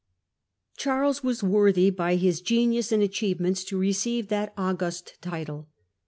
Charles was worthy, by his genius and achievements, to receive that august title.